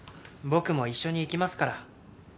僕も一緒に行きますから。